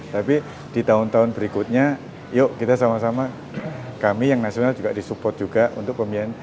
tapi di tahun tahun berikutnya yuk kita sama sama kami yang nasional juga disupport juga untuk pembiayaan